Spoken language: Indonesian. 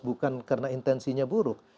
bukan karena intensinya buruk